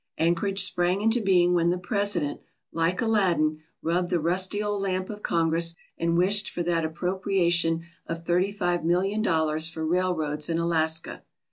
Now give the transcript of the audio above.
Anchorage sprang into being when the President, like Aladdin, rubbed the rusty old lamp of Congress and wished for that appropria tion of thirty five million dollars for railroads in Alaska.